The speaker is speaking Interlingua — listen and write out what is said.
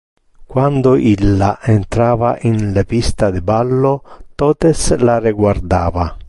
Quando illa entrava in le pista de ballo totes la reguardava.